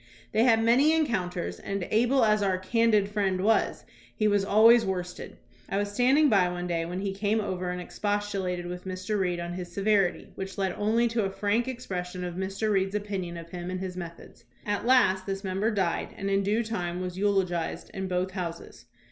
They had many encounters, and, able as our "candid" friend was, he was always worst ed. I was standing by one day when he came over and expostulated with Mr. Reed on his severity, which led only to a frank expression of Mr. Reed's opinion of him and his methods. At last this member died and in due time was eulogized in both Houses.